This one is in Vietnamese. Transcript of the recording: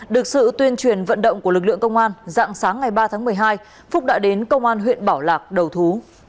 được sự tuyên truyền vận động của lực lượng công an dạng sáng ngày ba tháng một mươi hai phúc đã đến công an huyện bảo lạc đầu thú